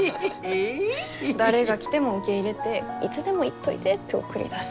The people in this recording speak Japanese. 誰が来ても受け入れていつでも行っといでって送り出す。